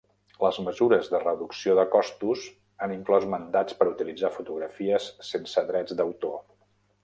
Les mesures de reducció de costos han inclòs mandats per utilitzar fotografies sense drets d'autor.